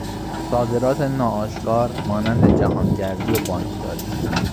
صادرات ناآشکار مانند جهانگردی و بانکداری